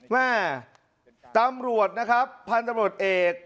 แม่ตำรวจนะครับพันธุ์ตำรวจเอก